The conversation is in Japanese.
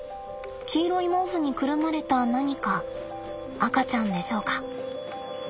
黄色い毛布にくるまれた何か赤ちゃんでしょうか。